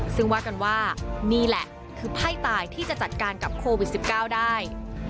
ซึ่งว่ากันว่านี่แหละคือไพ่ตายที่จะจัดการกับโควิด๑๙ได้